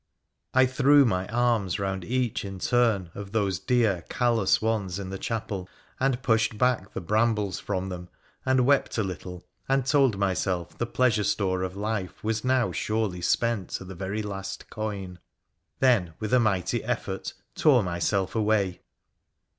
I threw my arms round each in turn of those dear, callous ones in the chapel, and pushed back the brambles from them, and wept a little, and told myself the pleasure store of life was now surely spent to the very last coin — then, with a mighty effort, tore myself away.